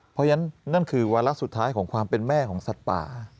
เพราะฉะนั้นนั่นคือวาระสุดท้ายของความเป็นแม่ของสัตว์ป่า